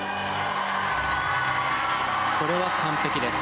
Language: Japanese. これは完璧です。